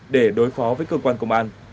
để đối phó với cơ quan công an